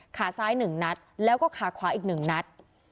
ขาซ้ายหนึ่งนัดแล้วก็ขาขวาอีกหนึ่งนัด